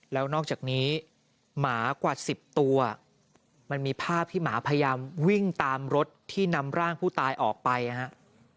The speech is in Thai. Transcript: แล้วนอกจากนี้หมากว่า๑๐ตัวมันมีภาพที่หมาพยายามวิ่งตามรถที่นำร่างผู้ตายออกไปนะครับ